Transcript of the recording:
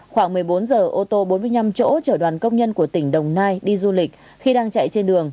khoảng một mươi bốn giờ ô tô bốn mươi năm chỗ chở đoàn công nhân của tỉnh đồng nai đi du lịch khi đang chạy trên đường